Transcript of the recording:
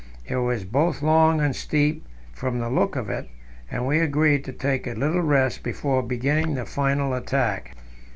It was both long and steep from the look of it, and we agreed to take a little rest before beginning the final attack.